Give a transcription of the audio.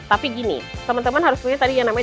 tapi gini teman teman harus punya tadi yang namanya